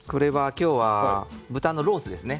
今日は豚のロースですね。